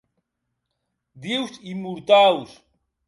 Dius immortaus!